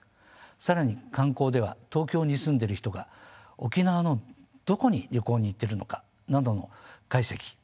更に観光では東京に住んでる人が沖縄のどこに旅行に行ってるのかなどの解析。